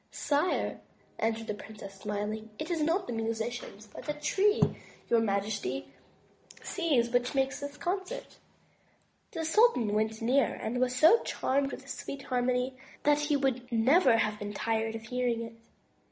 "Sire," answered the princess, smiling. "It is not musicians, but the Tree your majesty sees which makes this concert." The sultan went nearer and was so charmed with the sweet harmony that he would never have been tired of hearing it.